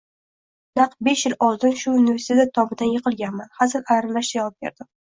Naq besh yil oldin shu universitet tomidan yiqilganman, hazil aralash javob qildim